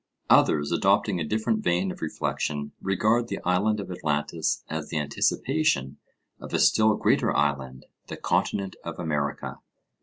Others, adopting a different vein of reflection, regard the Island of Atlantis as the anticipation of a still greater island the Continent of America.